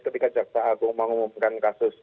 ketika jaksa agung mengumumkan kasus